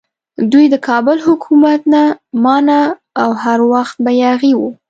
دوی د کابل حکومت نه مانه او هر وخت به یاغي وو.